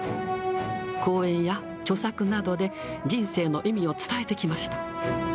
講演や著作などで、人生の意味を伝えてきました。